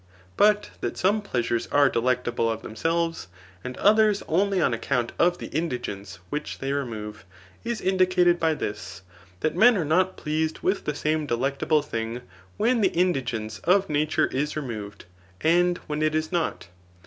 [But that some pleasures are delectable of themselves, and others^ only o& account of the indigence which they remove Q^ i$ indicated^ by this, that men are not pleased with die same delects^e thing Vrhen the indigence of nature is re^ moved, and when* it is not.